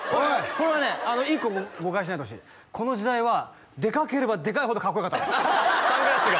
これはね一個誤解しないでほしいこの時代はでかければでかいほどかっこよかったのサングラスが？